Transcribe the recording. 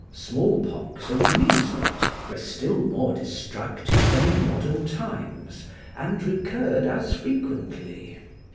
Small pox and measles were still more destructive than in modern times, and recurred as frequently.